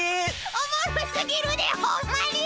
おもろすぎるでホンマに！